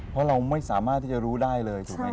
เพราะเราไม่สามารถที่จะรู้ได้เลยถูกไหม